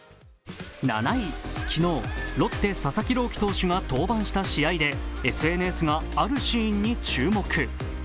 昨日、ロッテ・佐々木朗希投手が登板した試合でＳＮＳがあるシーンに注目。